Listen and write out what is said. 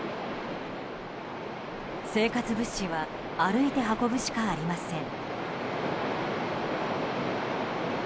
生活物資は歩いて運ぶしかありません。